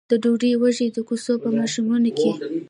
د ډوډۍ وږم د کوڅو په ماښامونو کې